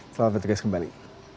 selamat berjaga jaga kembali